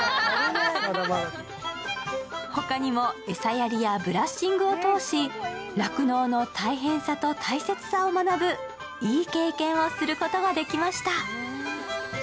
他にも餌やりやブラッシングを通し酪農の大変さと大切さを学ぶいい経験をすることができました。